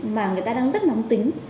mà người ta đang rất nóng tính